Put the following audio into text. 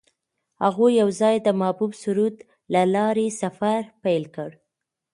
هغوی یوځای د محبوب سرود له لارې سفر پیل کړ.